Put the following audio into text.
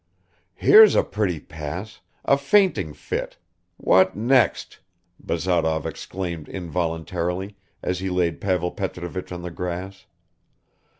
"Here's a pretty pass. A fainting fit! What next!" Bazarov exclaimed involuntarily as he laid Pavel Petrovich on the grass.